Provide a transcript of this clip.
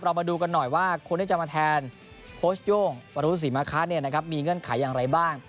มาดูกันหน่อยว่าคนที่จะมาแทนโค้ชโย่งวรุษีมะคะมีเงื่อนไขอย่างไรบ้าง